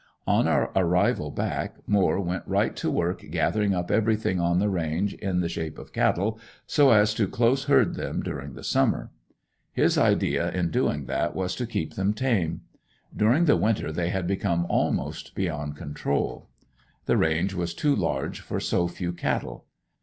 On our arrival back, Moore went right to work gathering up everything on the range in the shape of cattle, so as to "close herd" them during the summer. His idea in doing that was to keep them tame. During the winter they had become almost beyond control. The range was too large for so few cattle.